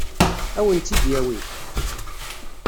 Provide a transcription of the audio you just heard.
Ad wen-tt-id-yawi?